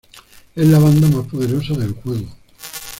Es la banda más poderosa del juego.